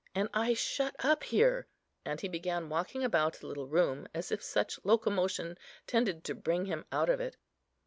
and I shut up here?" and he began walking about the little room, as if such locomotion tended to bring him out of it.